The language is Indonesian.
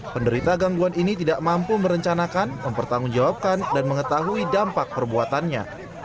penderita gangguan ini tidak mampu merencanakan mempertanggungjawabkan dan mengetahui dampak perbuatannya